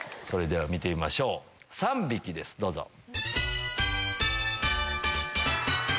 それでは見てみましょう三匹ですどうぞ。